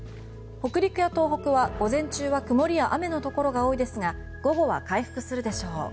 北陸や東北は午前中は曇りや雨のところが多いですが午後は回復するでしょう。